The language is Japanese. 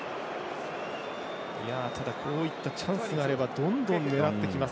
ただこういったチャンスがあればどんどん狙ってきます。